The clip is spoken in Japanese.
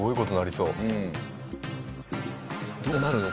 どうなるの？